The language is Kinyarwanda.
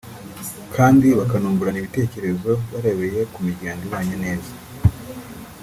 kandi bakanungurana ibitekerezo barebeye ku miryango ibanye neza